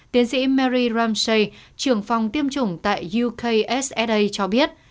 tiến sĩ mary ramsey trưởng phòng tiêm chủng tại ukssa cho biết